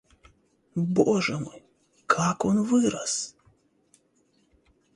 Боже мой, как он вырос!